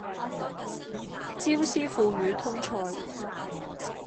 椒絲腐乳通菜